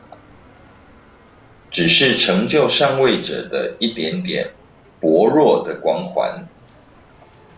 只是成就上位者的一點點薄弱的光環